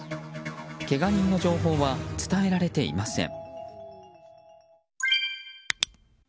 けが人の情報は伝えられていません。